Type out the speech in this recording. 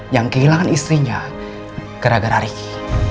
yang kehilangan istrinya gara gara riki